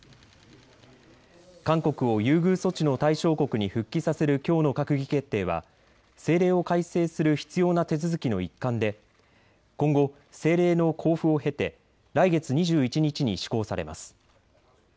韓国を優遇措置の対象国に復帰させるきょうの閣議決定は政令を改正する必要な手続きの一環で今後、政令の公布を経て来月２１日に施行されます。